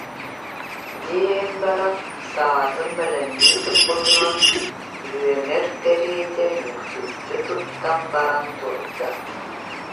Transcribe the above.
диэн баран саатын бэлэмнии туппутунан, үөмэр кэ- риэтэ нүксүччү туттан бара турда